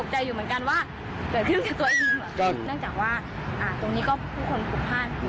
ต่อมาที่ผมก็ยังตกใจอยู่เหมือนกันว่าเกิดขึ้นกับตัวเองหรอ